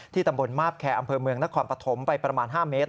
ตำบลมาบแคร์อำเภอเมืองนครปฐมไปประมาณ๕เมตร